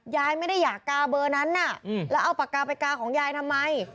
ยายไม่ได้อยากกาเบอร์นั้นน่ะแล้วเอาปากกาไปกาของยายทำไม